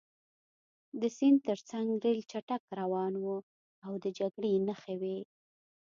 د سیند ترڅنګ ریل چټک روان و او د جګړې نښې وې